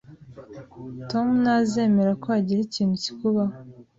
Tom ntazemera ko hagira ikintu kikubaho.